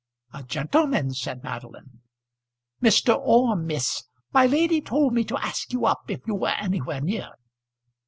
"A gentleman!" said Madeline. "Mr. Orme, miss. My lady told me to ask you up if you were anywhere near."